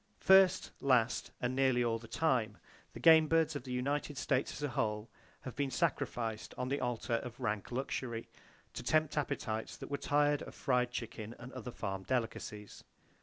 First, last and nearly all the time, the game birds of the United States as a whole, have been sacrificed on the altar of Rank Luxury, to tempt appetites that were tired of fried chicken and other farm delicacies.